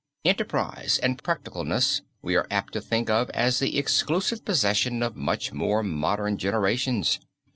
Enterprise and practicalness we are apt to think of as the exclusive possession of much more modern generations.